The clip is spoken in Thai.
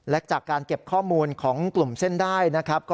และจากการเก็บข้อมูลของกลุ่มเส้นได้นะครับ